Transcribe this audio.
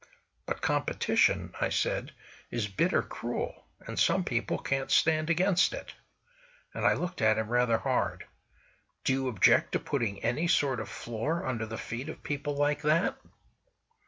"But competition," I said, "is bitter cruel, and some people can't stand against it!" And I looked at him rather hard: "Do you object to putting any sort of floor under the feet of people like that?"